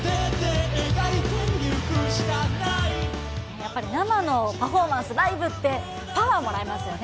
やっぱり、生のパフォーマンス、ライブって、パワーもらいますよね。